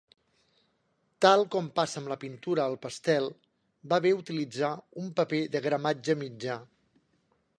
Tal com passa amb la pintura al pastel, va bé utilitzar un paper de gramatge mitjà.